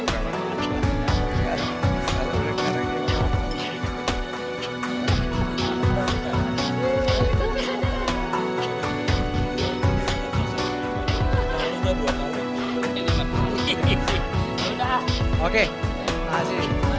oke terima kasih